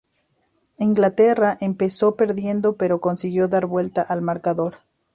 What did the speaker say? Inglaterra empezó perdiendo, pero consiguió dar la vuelta al marcador.